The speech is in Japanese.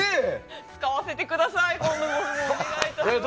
使わせてください。